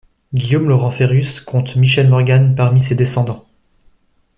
Guillaume Laurent Ferrus compte Michèle Morgan parmi ses descendants.